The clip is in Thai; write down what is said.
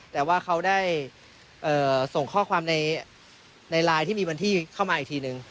แต่ว่าเขาได้ส่งข้อความในไลน์ที่มีวันที่เข้ามาอีกทีนึง